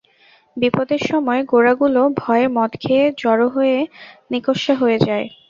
বিপদের সময় গোরাগুলো ভয়ে মদ খেয়ে, জড় হয়ে, নিকম্মা হয়ে যায়।